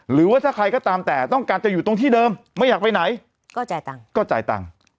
หรือว่าถ้าใครก็ตามแต่ต้องการจะอยู่ตรงที่เดิมไม่อยากไปไหนก็จ่ายตังค์ก็จ่ายตังค์